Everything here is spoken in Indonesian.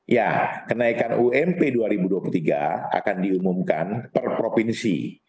ya kenaikan ump dua ribu dua puluh tiga akan diumumkan per provinsi